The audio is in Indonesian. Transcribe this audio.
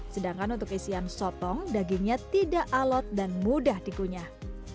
sedangkan untuk isian sotong dagingnya tidak alot dan mudah dikunyah